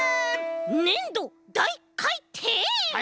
ねんどだいかいてん！？